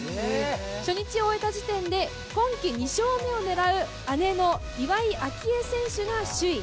初日を終えた時点で、今季２勝目を狙う姉の岩井明愛選手が首位。